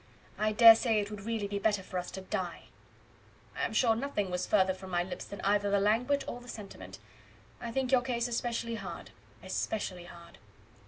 "I dare say it would really be better for us to die." "I am sure nothing was further from my lips than either the language or the sentiment. I think your case especially hard ESPECIALLY hard."